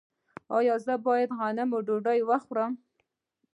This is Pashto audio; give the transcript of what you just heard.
ایا زه باید د غنمو ډوډۍ وخورم؟